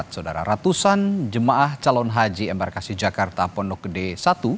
saudara ratusan jemaah calon haji embarkasi jakarta pondok gede i